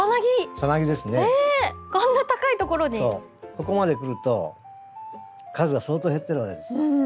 ここまで来ると数が相当減ってるわけです。